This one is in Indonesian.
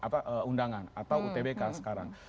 apa undangan atau utbk sekarang